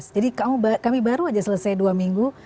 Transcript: jadi kami baru saja selesai dua minggu